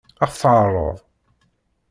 Ad ɣ-t-teɛṛeḍ?